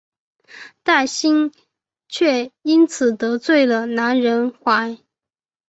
戴梓却因此得罪了南怀仁。